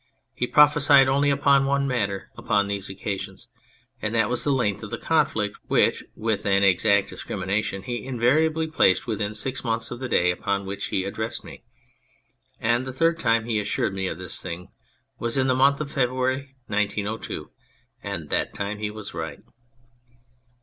He prophesied only upon one matter upon these occasions, and that was the length of the conflict, which, with an exact discrimination, he invariably placed within "six months " of the day upon which he addressed me, and the third time he assured me of this thing was in the month of February 1902, and that time he was right.